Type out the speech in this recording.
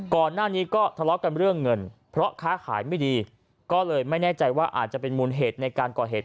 ก่อนหน้านี้ก็ทะเลาะกันเรื่องเงินเพราะค้าขายไม่ดีก็เลยไม่แน่ใจว่าอาจจะเป็นมูลเหตุในการก่อเหตุ